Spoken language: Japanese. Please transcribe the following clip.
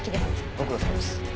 ご苦労さまです。